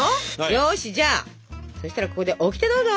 よしじゃあそしたらここでオキテどうぞ！